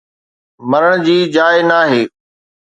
مرڻ جي جاءِ ناهي